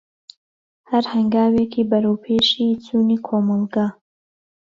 هەر هەنگاوێکی بەروەپێشی چوونی کۆمەلگا.